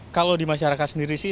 kalau di masyarakat sendiri sih